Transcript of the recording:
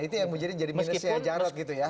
itu yang menjadi minusnya jarod gitu ya